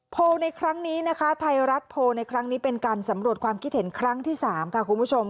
ในครั้งนี้นะคะไทยรัฐโพลในครั้งนี้เป็นการสำรวจความคิดเห็นครั้งที่๓ค่ะคุณผู้ชม